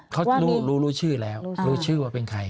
เขารู้รู้ชื่อแล้วรู้ชื่อว่าเป็นใคร